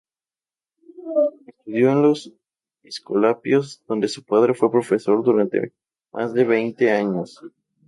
Estudió en los Escolapios donde su padre fue profesor durante más de veinte años.